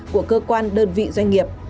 của cơ quan đơn vị doanh nghiệp